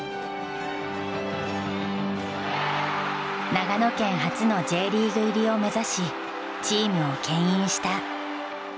長野県初のＪリーグ入りを目指しチームをけん引した。